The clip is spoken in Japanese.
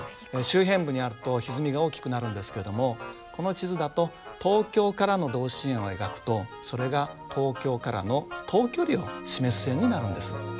周辺部にあるとひずみが大きくなるんですけれどもこの地図だと東京からの同心円を描くとそれが東京からの等距離を示す線になるんです。